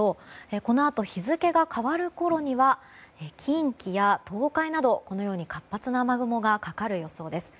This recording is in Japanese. このあと日付が変わるころには近畿や東海など活発な雨雲がかかる予想です。